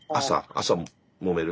朝もめる？